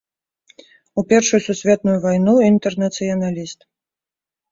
У першую сусветную вайну інтэрнацыяналіст.